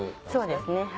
そうですね